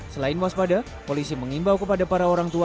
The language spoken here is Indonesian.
selain waspada polisi mengimbau kepada para orang tua